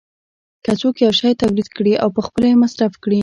که څوک یو شی تولید کړي او پخپله یې مصرف کړي